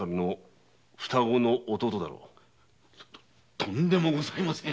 とんでもございません！